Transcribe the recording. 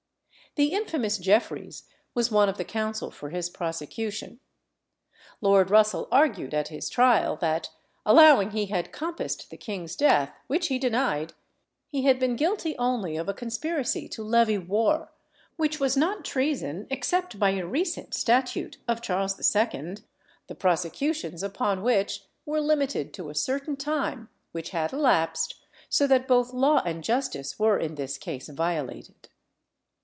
The infamous Jeffries was one of the counsel for his prosecution. Lord Russell argued at his trial, that, allowing he had compassed the king's death, which he denied, he had been guilty only of a conspiracy to levy war, which was not treason except by a recent statute of Charles II., the prosecutions upon which were limited to a certain time, which had elapsed, so that both law and justice were in this case violated.